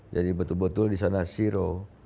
jadi betul betul disana zero